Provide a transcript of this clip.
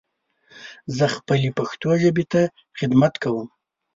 زه خپلې پښتو ژبې ته خدمت کوم.